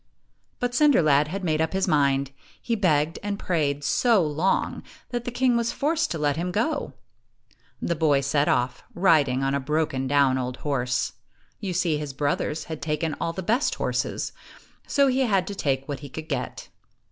But Cinder lad had made up his mind. He begged and prayed so long that the king was forced to let him go. The boy set off, riding on a broken down old horse. You see, his brothers had taken all the best horses, so he had to take what he could get.